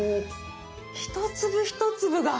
一粒一粒が！